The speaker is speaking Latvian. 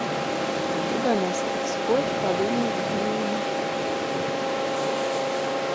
Tu gan esi tik spožs kā dimanta oliņa?